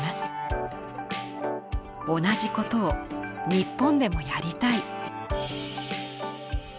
同じことを日本でもやりたい。